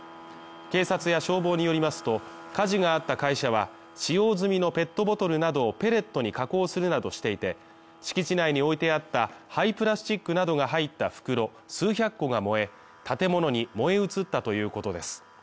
警察や消防によりますと、火事があった会社は、使用済みのペットボトルなどをペレットに加工するなどしていて、敷地内に置いてあった廃プラスチックなどが入った袋数百個が燃え建物に燃え移ったということです。